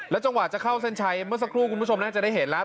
จังหวะจะเข้าเส้นชัยเมื่อสักครู่คุณผู้ชมน่าจะได้เห็นแล้ว